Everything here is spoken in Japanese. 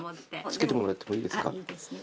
着けてもらってもいいですか？